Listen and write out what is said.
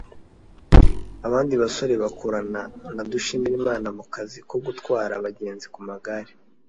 Abandi basore bakorana na Dushimirimana mu kazi ko gutwara abagenzi ku magare